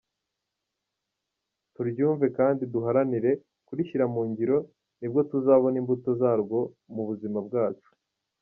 Turyumve kandi duharanire kurishyira mu ngiro nibwo tuzabona imbuto zaryo mu buzima bwacu.